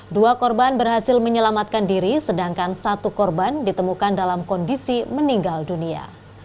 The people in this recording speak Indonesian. dua korban berhasil menyelamatkan diri sedangkan satu korban ditemukan dalam kondisi meninggal dunia